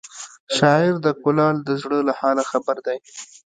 شاعر د کلال د زړه له حاله خبر دی